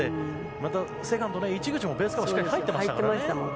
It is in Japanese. またセカンド市口もベースカバーにしっかり入ってましたからね。